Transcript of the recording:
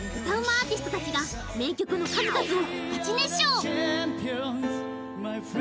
アーティスト達が名曲の数々をガチ熱唱！